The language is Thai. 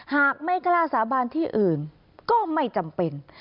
หากไม่กล้าสาบานที่อื่นก็ไม่จำเป็น